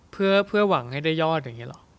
เพื่อหวังให้ได้ยอดอย่างนี้หรอ